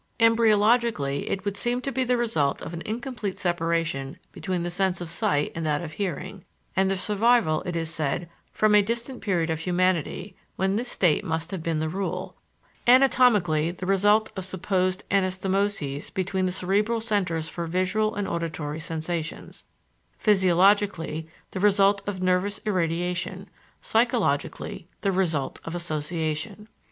Embryologically, it would seem to be the result of an incomplete separation between the sense of sight and that of hearing, and the survival, it is said, from a distant period of humanity, when this state must have been the rule; anatomically, the result of supposed anastamoses between the cerebral centers for visual and auditory sensations; physiologically, the result of nervous irradiation; psychologically, the result of association.